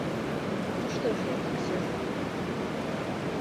Ну что же я так сижу?